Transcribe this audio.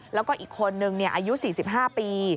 แล้วก็อีกคนนึงอายุ๔๕ปี